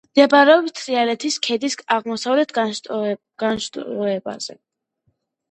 მდებარეობს თრიალეთის ქედის აღმოსავლეთ განშტოებაზე.